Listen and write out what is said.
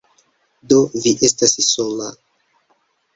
Do, vi estas sola